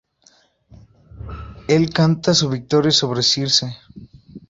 Él canta su victoria sobre Circe.